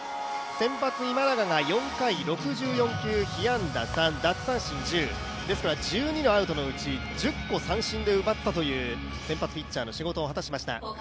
先発・今永が４回、６４球、被安打３、奪三振１０ですから１２のアウトのうち、１０個を三振で奪ったという先発ピッチャーの仕事を果たしました。